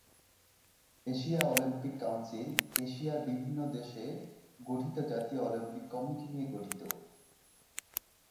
Asia Olympic council এশিয়ার বিভিন্ন দেশে গঠিত জাতীয় অলিম্পিক কমিটি নিয়ে গঠিত।